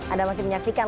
ada masih menyaksikan